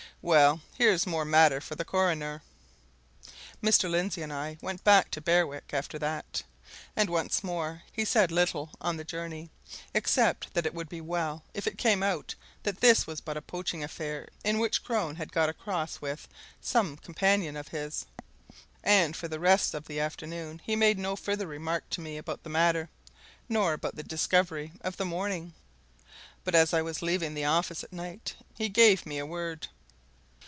Well, here's more matter for the coroner." Mr. Lindsey and I went back to Berwick after that. And, once more, he said little on the journey, except that it would be well if it came out that this was but a poaching affair in which Crone had got across with some companion of his; and for the rest of the afternoon he made no further remark to me about the matter, nor about the discovery of the morning. But as I was leaving the office at night, he gave me a word.